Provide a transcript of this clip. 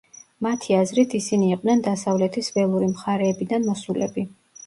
მათი აზრით, ისინი იყვნენ დასავლეთის ველური მხარეებიდან მოსულები.